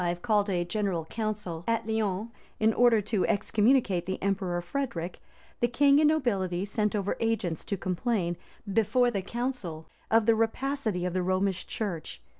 in 1245, called a general council at Lyons, in order to excommunicate the emperor Frederic, the king and nobility sent over agents to complain, before the council, of the rapacity of the Romish church.